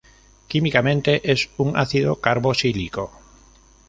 Químicamente es un ácido carboxílico.